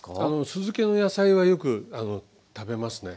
酢漬けの野菜はよく食べますね。